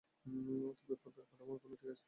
তবে পূর্বের কাঠামো এখনও টিকে আছে।